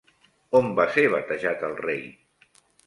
On va ser batejat el rei?